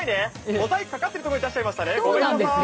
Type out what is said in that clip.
モザイクかかってるとこに出しちゃいましたね。